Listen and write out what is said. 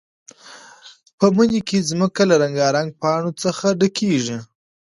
په مني کې ځمکه له رنګارنګ پاڼو څخه ډکېږي.